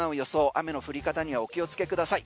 雨の降り方にはお気をつけください。